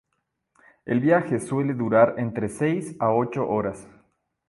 El viaje suele durar entre seis a ocho horas.